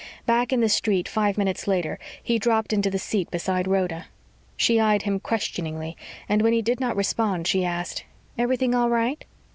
Back in the street, five minutes later, he dropped into the seat beside Rhoda. She eyed him questioningly and when he did not respond, she asked, "Everything all right?"